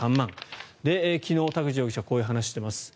昨日、田口容疑者こういう話をしています。